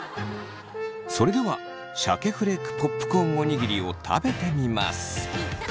それではシャケフレークポップコーンおにぎりを食べてみます。